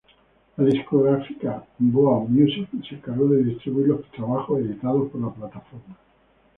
La discográfica Boa Music se encargó de distribuir los trabajos editados por la plataforma.